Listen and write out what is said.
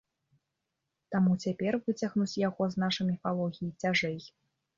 Таму цяпер выцягнуць яго з нашай міфалогіі цяжэй.